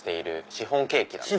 シフォンケーキなんです。